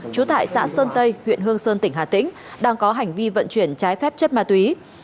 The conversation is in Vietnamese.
trú tại xã sơn tây huyện hương sơn tỉnh hà tĩnh đang có hành vi vận chuyển trái phép chất ma túy